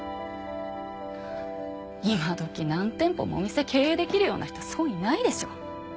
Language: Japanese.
今どき何店舗もお店経営できるような人そういないでしょ。